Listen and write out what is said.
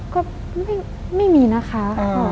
ก็ไม่มีนะคะ